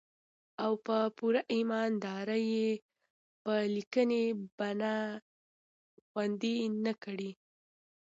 او په پوره ايمان دارۍ يې په ليکني بنه خوندي نه کړي.